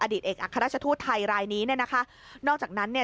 เอกอัครราชทูตไทยรายนี้เนี่ยนะคะนอกจากนั้นเนี่ย